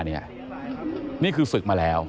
นี่คือศึกมาแล้ว